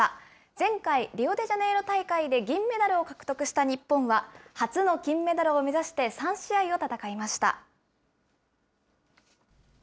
前回リオデジャネイロ大会で銀メダルを獲得した日本は、初の金メダルを目指して、３試合を戦いました。